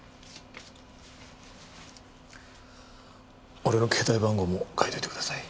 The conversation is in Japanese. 俺の携帯番号も書いておいてください。